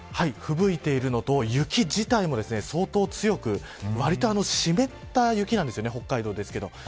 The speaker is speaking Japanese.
ふぶいているのと雪自体も相当強くわりと湿った雪なんです北海道ですけど。